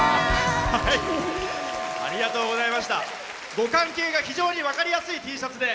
ご関係が非常に分かりやすいＴシャツで。